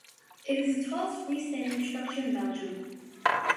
It is the tallest free standing structure in Belgium.